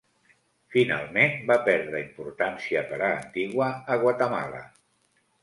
Finalment, va perdre importància per a Antigua, a Guatemala.